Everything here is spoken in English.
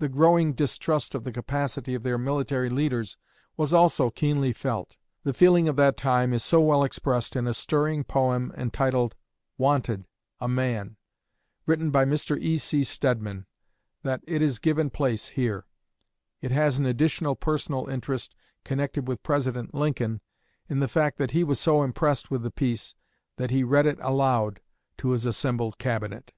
The growing distrust of the capacity of their military leaders was also keenly felt. The feeling of that time is so well expressed in a stirring poem entitled "Wanted, a Man," written by Mr. E.C. Stedman, that it is given place here. It has an additional personal interest connected with President Lincoln in the fact that he was so impressed with the piece that he read it aloud to his assembled Cabinet.